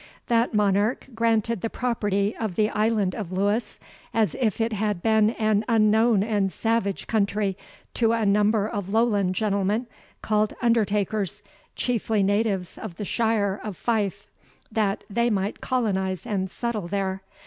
That monarch granted the property of the Island of Lewis, as if it had been an unknown and savage country, to a number of Lowland gentlemen, called undertakers, chiefly natives of the shire of Fife, that they might colonize and settle there.